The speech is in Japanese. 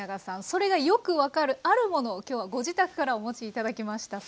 それがよく分かる「あるもの」を今日はご自宅からお持ち頂きました。